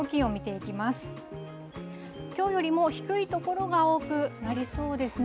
きょうよりも低い所が多くなりそうですね。